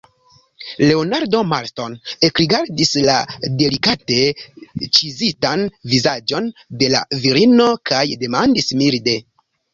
Leonardo Marston ekrigardis la delikate ĉizitan vizaĝon de la virino, kaj demandis milde: